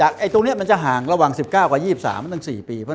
ให้เหมือนยุโรปพี่เลย